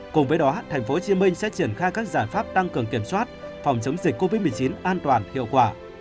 cùng với đó tp hcm sẽ triển khai các giải pháp tăng cường kiểm soát phòng chống dịch covid một mươi chín an toàn hiệu quả